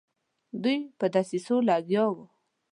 دوی په دسیسو لګیا وه.